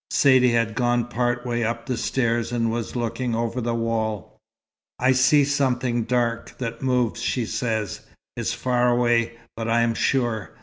Saidee had gone part way up the steps, and was looking over the wall. "I see something dark, that moves," she said. "It's far away, but I am sure.